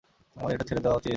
আমার এটা ছেড়ে দেয়া উচিত।